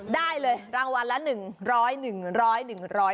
ได้เลยรางวัลละ๑ร้อย๑ร้อย๑ร้อย